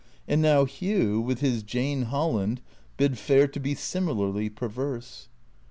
And now Hugh, with his Jane Holland, bid fair to be similarly perverse.